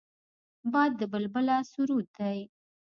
باد د بلبله سرود دی